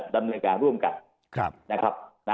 ดำเนื้อการร่วมกัน